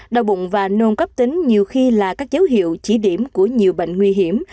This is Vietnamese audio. đau bụng và nôn cấp tính nhiều khi là các dấu hiệu chỉ điểm của nhiều bệnh nguy hiểm